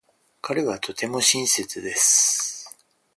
彼はとても親切です。